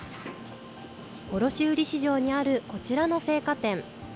卸売市場にあるこちらの青果店。